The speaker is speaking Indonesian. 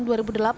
ft b yang bersiap